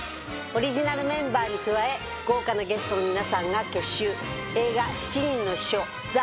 オリジナルメンバーに加え豪華なゲストの皆さんが結集映画七人の秘書ＴＨＥＭＯＶＩＥ